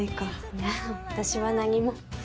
いや私は何も。